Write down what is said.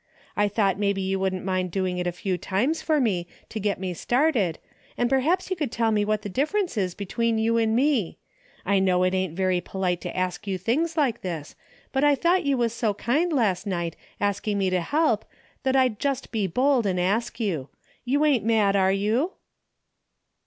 I thought maybe you wouldn't mind doing it a few times for me, to get me started, and per haps you could tell me what the difference is between you and me. I know it ain't very polite to ask you things like this, but I thought you was so kind last night asking me to help that I'd just be bold and ask you. You ain't mad, are you